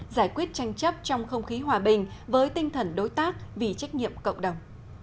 giải quyết tranh chấp trong không khí hòa bình với tinh thần đối tác vì trách nhiệm cộng đồng